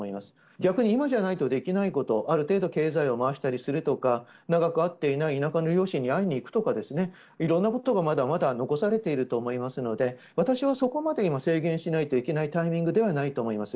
逆に今じゃないとできないこと、ある程度経済を回したりするとか長く会っていない田舎の両親に会いに行くとか、いろんなことがまだまだ残されていると思いますので、私はそこまで今、制限しないといけないタイミングではないと思います。